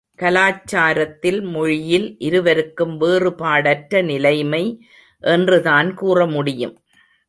கலாச்சாரத்தில் மொழியில் இருவருக்கும் வேறுபாடற்ற நிலைமை என்றுதான் கூற முடியும்.